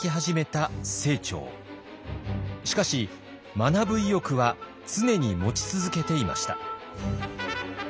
しかし学ぶ意欲は常に持ち続けていました。